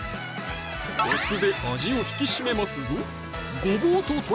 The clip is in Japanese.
お酢で味を引き締めますぞ